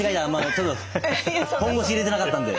ちょっと本腰入れてなかったんで。